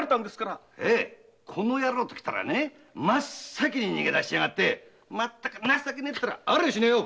この野郎ときたら真っ先に逃げ出しやがってまったく情けないったらありゃしねえよ！